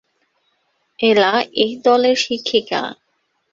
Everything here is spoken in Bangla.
এলা এই দলের শিক্ষিকা।